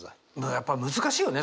やっぱ難しいよね。